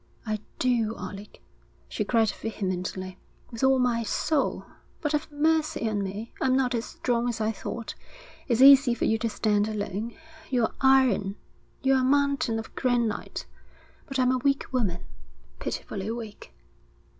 'I do, Alec,' she cried vehemently. 'With all my soul. But have mercy on me. I'm not as strong as I thought. It's easy for you to stand alone. You're iron. You're a mountain of granite. But I'm a weak woman, pitifully weak.'